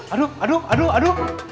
aduh aduh aduh aduh